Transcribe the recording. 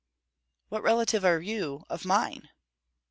"What relative are you of mine?"